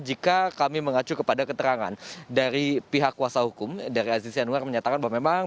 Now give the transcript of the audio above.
jika kami mengacu kepada keterangan dari pihak kuasa hukum dari aziz yanuar menyatakan bahwa memang